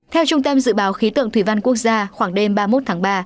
theo trung tâm dự báo khí tượng thủy văn quốc gia khoảng đêm ba mươi một tháng ba